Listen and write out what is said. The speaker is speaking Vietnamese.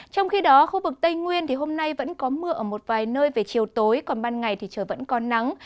trong khi đó khu vực tây nguyên hôm nay vẫn có mưa ở một vài nơi về chiều tối còn ban ngày thì trời vẫn còn nắng